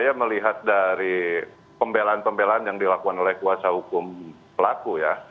saya melihat dari pembelaan pembelaan yang dilakukan oleh kuasa hukum pelaku ya